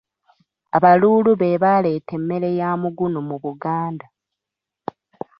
Abaluulu be baaleeta emmere ya mugunu mu Buganda